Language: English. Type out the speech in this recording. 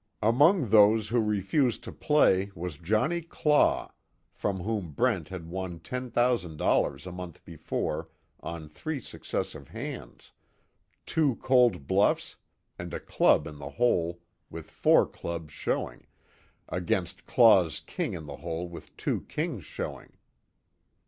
Among those who refused to play was Johnny Claw, from whom Brent had won ten thousand dollars a month before on three successive hands two cold bluffs, and a club in the hole with four clubs showing, against Claw's king in the hole with two kings showing.